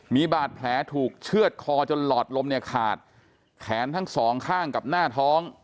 มีบาดแผลถูกเชื่อดคอจนหลอดลมเนี่ยขาดแขนทั้งสองข้างกับหน้าท้อง